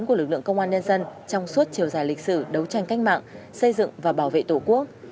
của lực lượng công an nhân dân trong suốt chiều dài lịch sử đấu tranh cách mạng xây dựng và bảo vệ tổ quốc